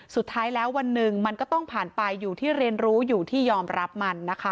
สุดท้ายแล้ววันหนึ่งมันก็ต้องผ่านไปอยู่ที่เรียนรู้อยู่ที่ยอมรับมันนะคะ